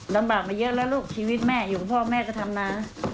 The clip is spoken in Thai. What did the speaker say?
ลำบากมาเยอะแล้วลูกชีวิตแม่อยู่กับพ่อแม่ก็ทำนะ